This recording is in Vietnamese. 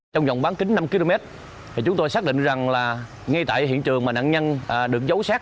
trong dòng bán kính năm km chúng tôi xác định rằng là ngay tại hiện trường mà nạn nhân được giấu sát